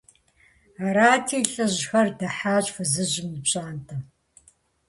Арати, лӀыжьхэр дыхьащ фызыжьым и пщӀантӀэм.